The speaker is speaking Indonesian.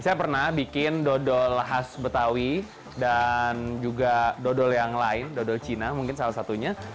saya pernah bikin dodol khas betawi dan juga dodol yang lain dodol cina mungkin salah satunya